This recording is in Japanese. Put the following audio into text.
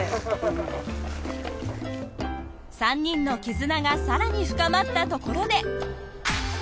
３人の絆が更に深まったところで。